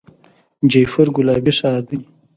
جیپور ګلابي ښار دی.